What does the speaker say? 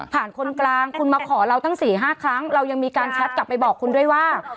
คนกลางคุณมาขอเราทั้ง๔๕ครั้งเรายังมีการแชทกลับไปบอกคุณด้วยว่า